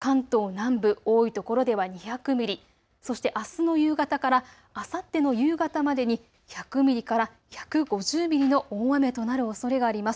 あすの夕方までの２４時間で関東南部、多いところでは２００ミリ、そしてあすの夕方からあさっての夕方までに１００ミリから１５０ミリの大雨となるおそれがあります。